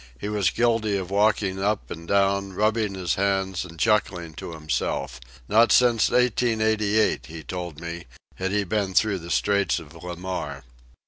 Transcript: He was guilty of walking up and down, rubbing his hands and chuckling to himself. Not since 1888, he told me, had he been through the Straits of Le Maire.